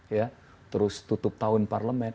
ya terus tutup tahun parlemen